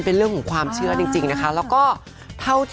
เป็นเพื่อนง่ายลังงาย